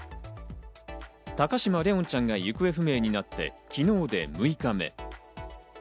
高嶋怜音ちゃんが行方不明になって昨日で６日目。